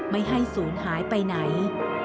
ไม่ให้ศูนย์หายไปไหน